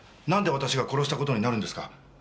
なんで私が殺した事になるんですか？